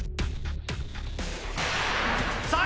さあ